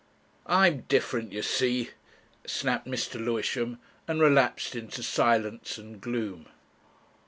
"I'm different, you see," snapped Mr. Lewisham, and relapsed into silence and gloom.